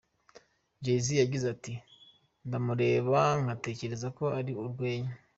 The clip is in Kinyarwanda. Jay Z yagize ati "Ndamureba nkatekereza ko ari ’urwenya’.